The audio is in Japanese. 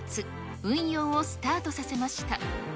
運用をスタートさせました。